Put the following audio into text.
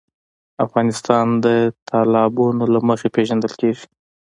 افغانستان د تالابونه له مخې پېژندل کېږي.